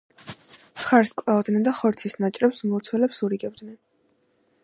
ხარს კლავდნენ და ხორცის ნაჭრებს მლოცველებს ურიგებდნენ.